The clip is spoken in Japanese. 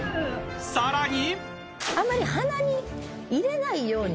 ［さらに］